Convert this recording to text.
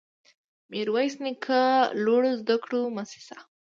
ميرويس نيکه لوړو زده کړو مؤسسه